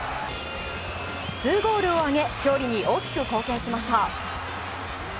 ２ゴールを挙げ勝利に大きく貢献しました。